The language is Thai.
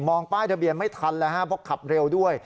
ป้ายทะเบียนไม่ทันแล้วฮะเพราะขับเร็วด้วย